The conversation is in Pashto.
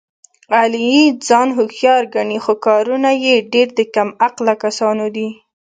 علي ځان هوښیار ګڼي، خو کارونه یې ډېر د کم عقله کسانو دي.